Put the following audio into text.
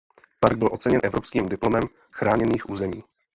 Park byl oceněn Evropským diplomem chráněných území.